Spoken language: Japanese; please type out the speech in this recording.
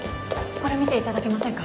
これ見て頂けませんか？